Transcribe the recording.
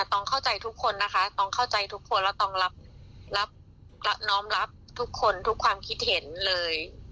ต้องเข้าใจทุกคนนะคะต้องเข้าใจทุกคนแล้วต้องรับน้องรับทุกคนทุกความคิดเห็นเลย